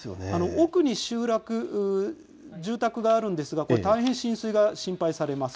奥に集落住宅があるんですが大変浸水が心配されます。